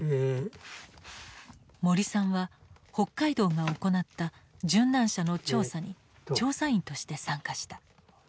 森さんは北海道が行った殉難者の調査に調査員として参加した。